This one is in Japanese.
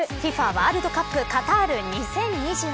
ワールドカップカタール２０２２。